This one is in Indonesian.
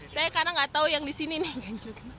saya karena nggak tahu yang di sini nih kan